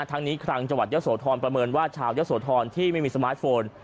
ทั้งนี้คลังจังหวัดเยอะโสธรประเมินว่าชาวยะโสธรที่ไม่มีสมาร์ทโฟน